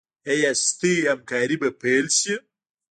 ایا ستاسو همکاري به پیل شي؟